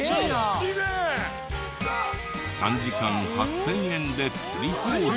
３時間８０００円で釣り放題。